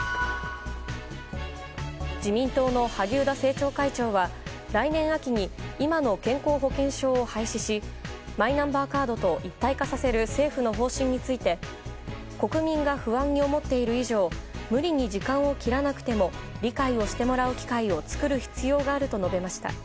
自民党の萩生田政調会長は来年秋に今の健康保険証を廃止しマイナンバーカードと一体化させる政府の方針について国民が不安に思っている以上無理に時間を切らなくても理解をしてもらう機会を作る必要があると述べました。